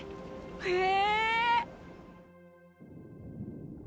へえ！